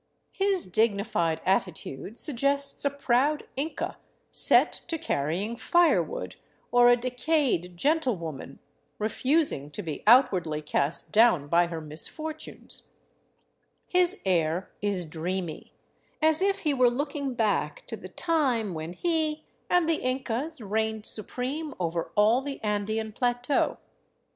His dignified attitude suggests a proud Inca set to carrying fire wood, or a " decayed gentle woman " refusing to be outwardly cast down by her misfortunes ; his air is dreamy, as if he were looking back to the time when he and the Incas reigned supreme over all the Andean plateau.